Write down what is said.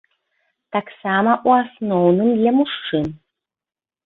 Таксама ў асноўным для мужчын.